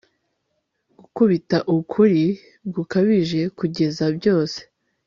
Gukubita ukuri gukabije kugeza byose